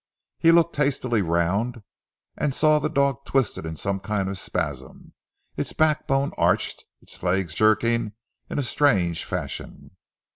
He looked hastily round, and saw the dog twisted in some kind of spasm, its backbone arched, its legs jerking in a strange fashion.